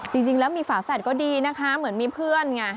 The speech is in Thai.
จริงแล้วมีฝาแฝดก็ดีนะคะเหมือนมีเพื่อนไง